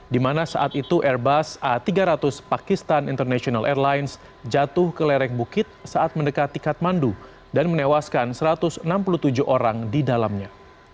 di mana saat itu airbus a tiga ratus pakistan international airlines jatuh ke lereng bukit saat mendekati kathmandu dan menewaskan satu ratus enam puluh tujuh orang di dalamnya